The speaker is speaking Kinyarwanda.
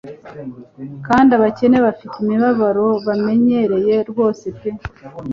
Kandi abakene bafite imibabaro bamenyereye rwose pe